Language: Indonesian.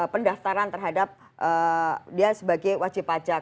pendaftaran terhadap dia sebagai wajib pajak